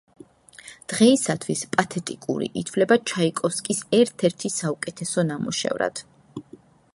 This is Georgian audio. დღეისათვის „პათეტიკური“ ითვლება ჩაიკოვსკის ერთ-ერთი საუკეთესო ნამუშევრად.